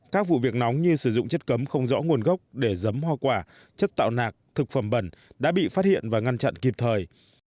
các vụ việc nóng như sử dụng chất cấm không rõ nguồn gốc để dấm hoa quả chất tạo nạc thực phẩm bẩn đã bị phát hiện và ngăn chặn kịp thời